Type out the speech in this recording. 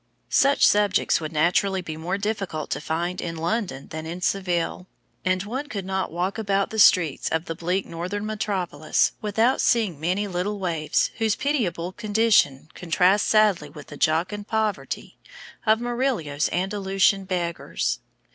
Such subjects would naturally be more difficult to find in London than in Seville; and one could not walk about the streets of the bleak northern metropolis without seeing many little waifs whose pitiable condition contrasts sadly with the jocund poverty of Murillo's Andalusian beggars.